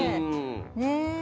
ねえ。